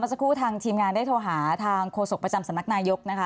สักครู่ทางทีมงานได้โทรหาทางโฆษกประจำสำนักนายกนะคะ